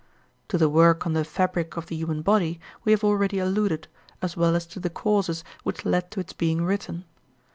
To the work on the "Fabric of the Human Body" we have already alluded, as well as to the causes which led to its being written.